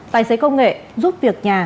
tài xế công nghệ giúp việc nhà